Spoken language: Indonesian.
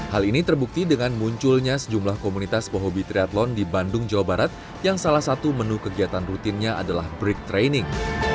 hal ini terbukti dengan munculnya sejumlah komunitas pehobi triathlon di bandung jawa barat yang salah satu menu kegiatan rutinnya adalah break training